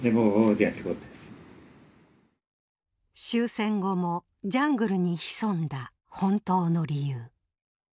終戦後もジャングルに潜んだ本当の理由。